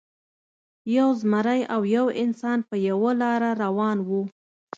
یو زمری او یو انسان په یوه لاره روان وو.